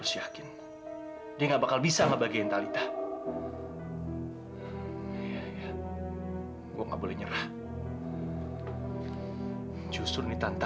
sampai jumpa di video selanjutnya